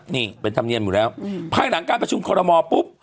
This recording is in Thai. นี่เป็นธรรมเนียมอยู่แล้วภายหลังการประชุมคอรมอลปุ๊บ